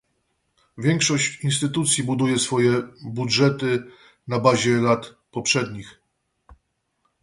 Większość instytucji buduje swoje budżety na bazie lat poprzednich